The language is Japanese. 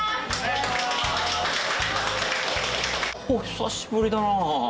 久しぶりだなぁ。